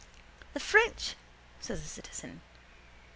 —The French! says the citizen.